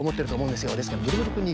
ですからブルブルくんに。